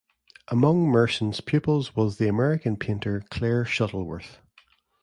Among Merson's pupils was the American painter Claire Shuttleworth.